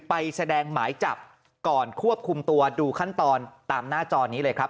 ไปแสดงหมายจับก่อนควบคุมตัวดูขั้นตอนตามหน้าจอนี้เลยครับ